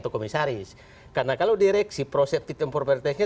komisaris tidak jadi itu janggalnya